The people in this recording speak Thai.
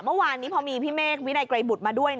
เมื่อวานนี้พอมีพี่เมฆวินัยไกรบุตรมาด้วย